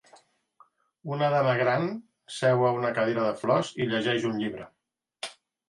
Una dama gran seu a una cadira de flors i llegeix un llibre